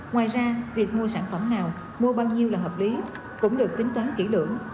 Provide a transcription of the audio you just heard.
ngoài ra việc mua sản phẩm nào mua bao nhiêu là hợp lý cũng được tính toán kỹ lưỡng